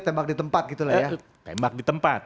tembak di tempat gitu lah ya tembak di tempat